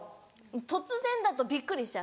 突然だとびっくりしちゃう。